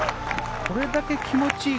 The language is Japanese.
これだけ気持ちいい